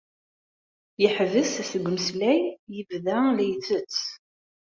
Yeḥbes seg umeslay, yebda la itett.